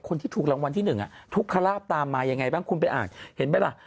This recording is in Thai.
คนที่ถูกรางวัลที่๑ทุกขลาบตามมายังไงบ้างคุณไปอ่านเห็นไหมล่ะ